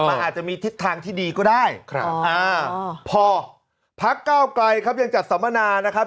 มันอาจจะมีทิศทางที่ดีก็ได้ครับอ่าพอพักเก้าไกลครับยังจัดสัมมนานะครับ